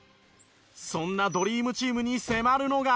そんなドリームチームに迫るのが。